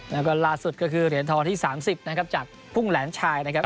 แล้วก็ล่าสุดก็คือเหรียญทองที่๓๐นะครับจากพุ่งแหลนชายนะครับ